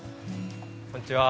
こんにちは。